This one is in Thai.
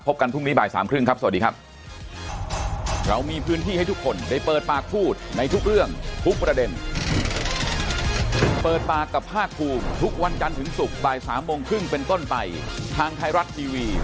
กันพรุ่งนี้บ่ายสามครึ่งครับสวัสดีครับ